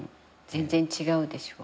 全然違うでしょ？